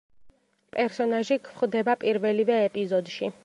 პერსონაჟი გვხვდება პირველივე ეპიზოდში.